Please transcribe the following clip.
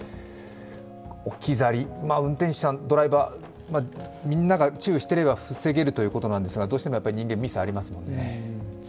置き去り、運転手さん、みんなが注意していれば防げるということなんですがどうしても人間、ミスがありますもんね。